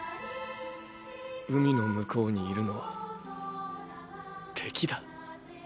海の向こうにいるのは敵だ。